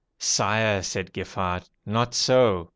'Sire,' said Giffart, 'not so!